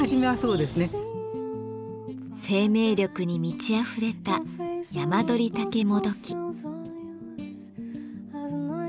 生命力に満ちあふれたヤマドリタケモドキ。